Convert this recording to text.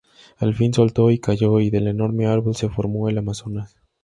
Al fin soltó y cayó; y del enorme árbol se formó el Amazonas.